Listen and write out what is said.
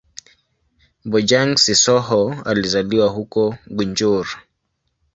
Bojang-Sissoho alizaliwa huko Gunjur.